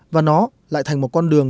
và nó lại thành một con đường